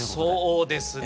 そうですね。